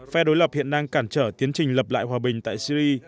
phe đối lập hiện đang cản trở tiến trình lập lại hòa bình tại syri